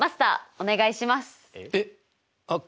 お願いします。